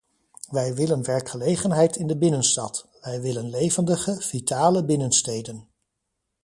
Wij willen werkgelegenheid in de binnenstad, wij willen levendige, vitale binnensteden.